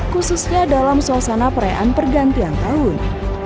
khususnya dalam suasana perayaan pergantian tahun